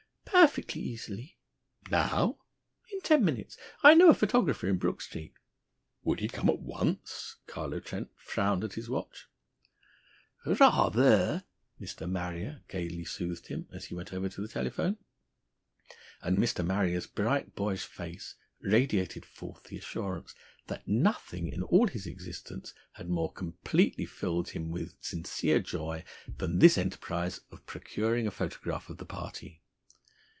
"Perfectly easy." "Now?" "In ten minutes. I know a photographer in Brook Street." "Would he come at once?" Carlo Trent frowned at his watch. "Rather!" Mr. Marrier gaily soothed him, as he went over to the telephone. And Mr. Marrier's bright boyish face radiated forth the assurance that nothing in all his existence had more completely filled him with sincere joy than this enterprise of procuring a photograph of the party.